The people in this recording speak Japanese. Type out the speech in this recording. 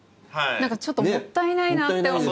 何かちょっともったいないなって思うぐらい。